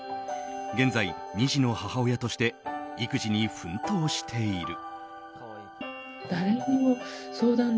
現在、２児の母親として育児に奮闘している。